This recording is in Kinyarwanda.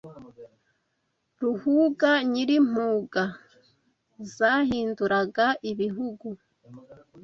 Ruhuga nyiri impuga Zahinduraga ibihugu